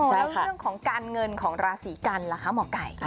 แล้วเรื่องของการเงินของราศีกันล่ะคะหมอไก่